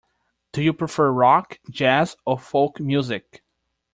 Do you prefer rock, jazz, or folk music?